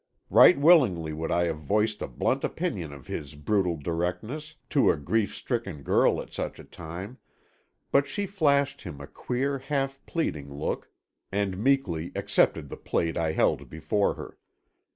Right willingly would I have voiced a blunt opinion of his brutal directness—to a grief stricken girl, at such a time—but she flashed him a queer half pleading look, and meekly accepted the plate I held before her.